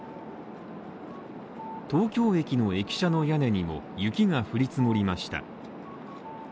東京駅の駅舎の屋根にも雪が降り積もりました。